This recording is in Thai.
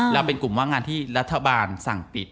เป็นกลุ่มว่างงานที่รัฐบาลสั่งปิด